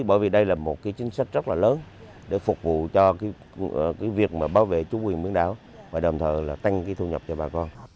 bởi vì đây là một cái chính sách rất là lớn để phục vụ cho cái việc mà bảo vệ chú quyền miếng đảo và đồng thời là tăng cái thu nhập cho bà con